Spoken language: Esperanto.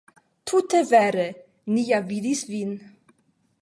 Tute vere, ni ja vidis vin.